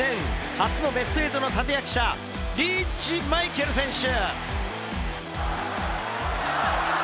初のベスト８の立役者、リーチ・マイケル選手。